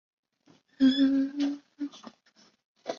手上不忘继续挖番薯